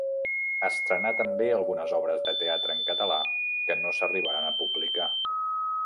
Estrenà també algunes obres de teatre en català que no s'arribaren a publicar.